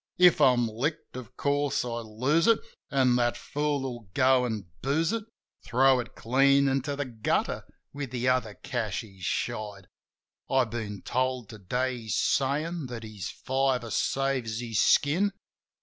If I'm licked, of course, I lose it; an' that fool will go an' booze it: 22 JIM OF THE HILLS Throw it clean into the gutter with the other cash he's shied. I been told to day he's sayin' that his fiver saves his skin.